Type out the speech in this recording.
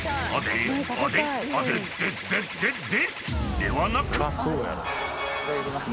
［ではなく］